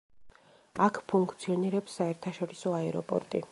აქ ფუნქციონირებს საერთაშორისო აეროპორტი.